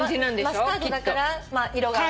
マスタードだから色は。